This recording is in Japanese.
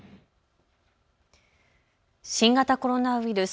新型コロナウイルス。